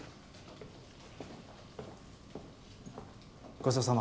ごちそうさま。